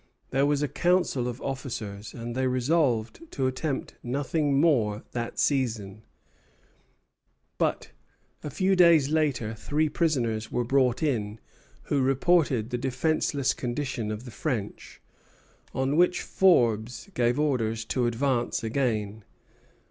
There was a council of officers, and they resolved to attempt nothing more that season; but, a few days later, three prisoners were brought in who reported the defenceless condition of the French, on which Forbes gave orders to advance again.